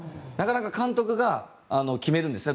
監督が決めるんですね